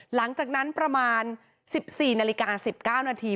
หลังจากนั้นประมาณ๑๔นาฬิกา๑๙นาที